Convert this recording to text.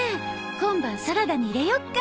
今晩サラダに入れよっか。